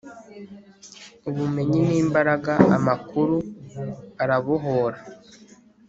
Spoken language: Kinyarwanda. ubumenyi ni imbaraga. amakuru arabohora